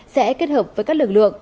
sẽ kết hợp với các lực lượng